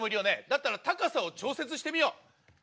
だったら高さを調節してみよう。